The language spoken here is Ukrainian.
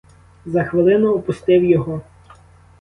За хвилину опустив його.